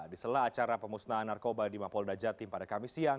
di sela acara pemusnahan narkoba di mapolda jatim pada kamis siang